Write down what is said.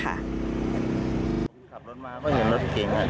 ถูกขับรถมาก็เห็นรถเก่งค่ะ